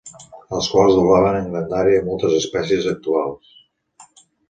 Els quals doblaven en grandària a moltes espècies actuals.